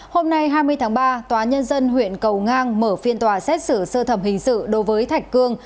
hôm nay hai mươi tháng ba tòa nhân dân huyện cầu ngang mở phiên tòa xét xử sơ thẩm hình sự đối với thạch cương